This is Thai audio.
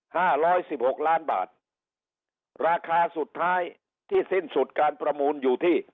ห้าร้อยสิบหกล้านบาทราคาสุดท้ายที่สิ้นสุดการประมูลอยู่ที่